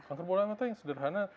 kanker bola mata yang sederhana